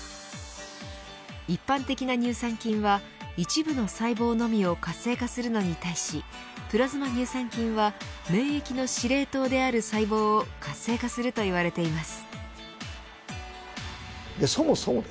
一般的な乳酸菌は一部の細胞のみを活性化するのに対しプラズマ乳酸菌は免疫の司令塔である細胞を活性化すると言われています。